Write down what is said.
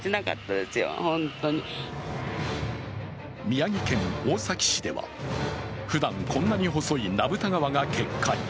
宮城県大崎市では、ふだんこんなに細い名蓋川が決壊。